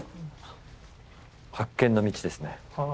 「発見の道」ですね。